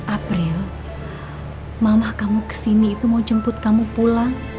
april mama kamu kesini itu mau jemput kamu pulang